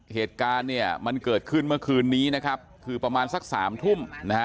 เหตุการณ์มันเกิดขึ้นเมื่อคืนนี้คือประมาณสัก๓ทุ่ม